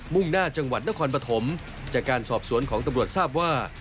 ่งหน้าจังหวัดนครปฐมจากการสอบสวนของตำรวจทราบว่า